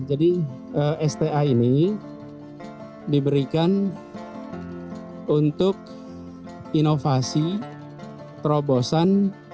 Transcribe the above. jadi sda ini diberikan untuk inovasi terobosan